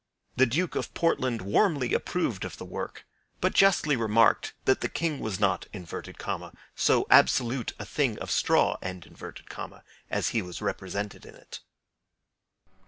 The Duke of Portland warmly approved of the work, but justly remarked that the king was not "so absolute a thing of straw" as he was represented in it.